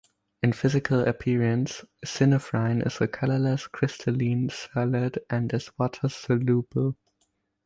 In physical appearance, synephrine is a colorless, crystalline solid and is water-soluble.